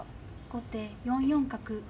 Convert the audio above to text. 後手４四角。